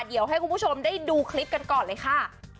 เดี๋ยวให้คุณผู้ชมได้ดูคลิปกันก่อนเลยค่ะ